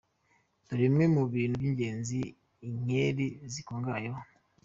Dore bimwe mu bintu by’ingenzi inkeri zikungahayeho.